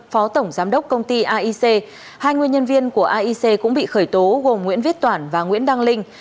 phó tổng giám đốc công ty aic hai nguyên nhân viên của aic cũng bị khởi tố gồm nguyễn viết toản và nguyễn đăng linh